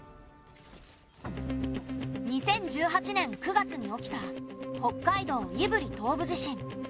２０１８年９月に起きた北海道胆振東部地震。